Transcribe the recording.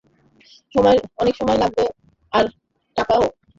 অনেক সময় লাগবে আর টাকাও।